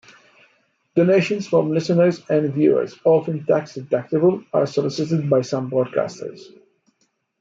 Donations from listeners and viewers, often tax-deductible, are solicited by some broadcasters.